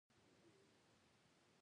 انار د ماشومانو وده ته ګټه رسوي.